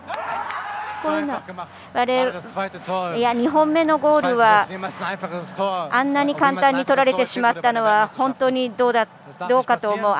２本目のゴールはあんな簡単に取られたのは本当にどうかと思う。